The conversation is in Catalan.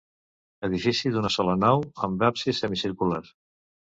Edifici d'una sola nau, amb absis semicircular.